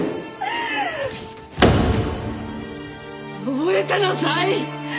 覚えてなさい！